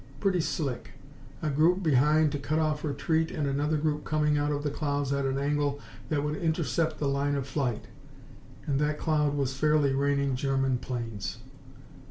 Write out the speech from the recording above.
Pretty slick! A group behind to cut off retreat and another group coming out of the clouds at an angle that would intercept the line of flight. And that cloud was fairly raining German planes!